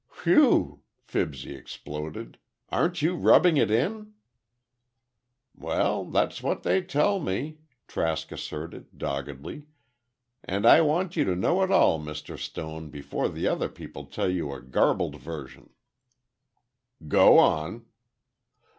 "Whew!" Fibsy exploded, "aren't you rubbing it in?" "Well, that's what they tell me—" Trask asserted, doggedly, "and I want you to know it all, Mr. Stone, before the other people tell you a garbled version." "Go on."